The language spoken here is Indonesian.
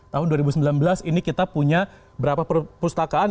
tahun dua ribu sembilan belas ini kita punya berapa perpustakaan